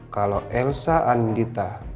kalau elsa anindita